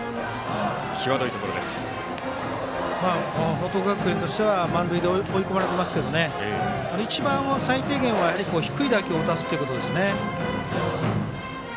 報徳学園としては満塁で追い込まれていますけど一番、最低限はやはり低い打球を打たせるということですね。